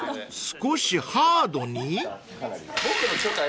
［少しハードに？］